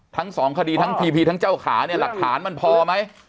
ทั้งสองคดีทั้งพีพีทั้งเจ้าขาเนี่ยหลักฐานมันพอไหม